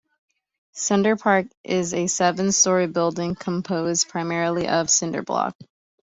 Center Park is a seven-story building, composed primarily of cinder block.